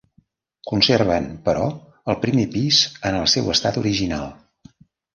Conserven, però el primer pis en el seu estat original.